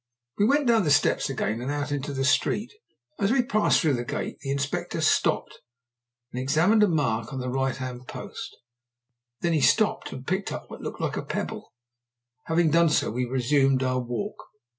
We went down the steps again and out into the street. As we passed through the gate, the Inspector stopped and examined a mark on the right hand post. Then he stooped and picked up what looked like a pebble. Having done so we resumed our walk.